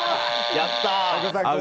やったー。